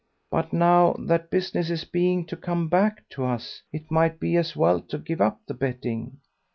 But now that business is beginning to come back to us, it might be as well to give up the betting."